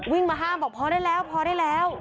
มาห้ามบอกพอได้แล้วพอได้แล้ว